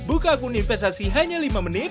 buka akun investasi hanya lima menit